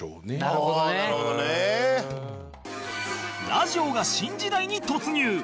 ラジオが新時代に突入